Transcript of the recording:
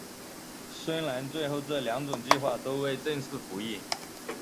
虽然最后这两种计划都未正式服役。